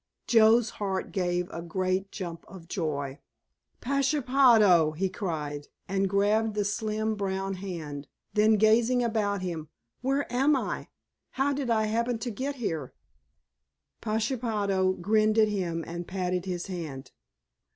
Joe's heart gave a great jump of joy. "Pashepaho!" he cried, and grabbed the slim brown hand. Then gazing about him, "Where am I—how did I happen to get here?" Pashepaho grinned at him and patted his hand.